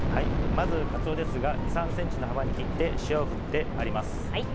まずカツオですが２３ｃｍの幅に切って塩を振ってあります。